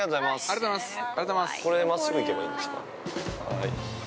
◆はい。